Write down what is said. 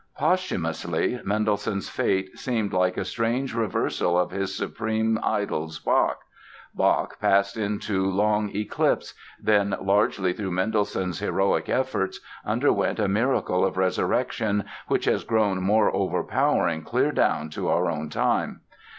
Posthumously, Mendelssohn's fate seemed like a strange reversal of his supreme idol's, Bach. Bach passed into long eclipse, then, largely through Mendelssohn's heroic efforts, underwent a miracle of resurrection which has grown more overpowering clear down to our own time.